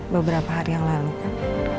beberapa hari yang lalu kan